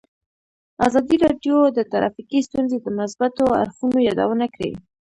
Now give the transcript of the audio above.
ازادي راډیو د ټرافیکي ستونزې د مثبتو اړخونو یادونه کړې.